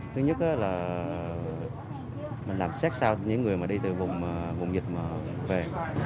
thứ nhất là mình làm xét sao những người đi từ vùng dịch về